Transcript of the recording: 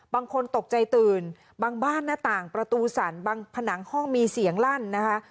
บางคนตกใจตื่นบางบ้านหน้าต่างประตูสั่นบางผนังห้องมีเสียงลั่นนะคะ